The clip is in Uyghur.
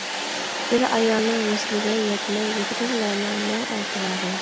بىر ئايالنىڭ ۋەسلىگە يەتمەي، يۈرگەنلەرنىڭ نە ئەتىۋارى.